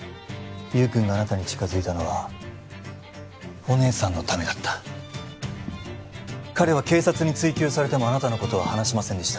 優君があなたに近づいたのはお姉さんのためだった彼は警察に追及されてもあなたのことは話しませんでした